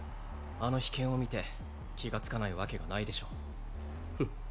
あの秘剣を見て気がつかないわけがないでしょうフッ